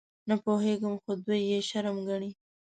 _نه پوهېږم، خو دوی يې شرم ګڼي.